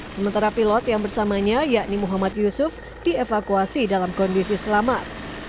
sementara pilot yang bersamanya yakni muhammad yusuf dievakuasi dalam kondisi selamat